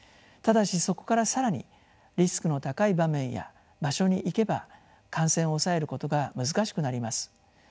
ただしそこから更にリスクの高い場面や場所に行けば感染を抑えることが難しくなります。